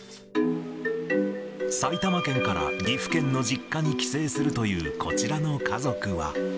埼玉県から岐阜県の実家に帰省するというこちらの家族は。